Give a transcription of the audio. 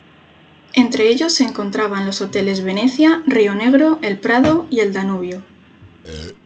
Entre ellos se encontraban los hoteles Venecia, Río Negro, El Prado y El Danubio.